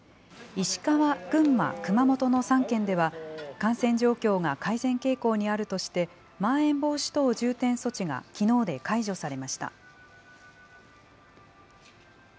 石川、群馬、熊本の３県では、感染状況が改善傾向にあるとして、まん延防止等重点措置がきのうで解除されました。